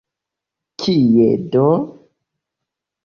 Kie do?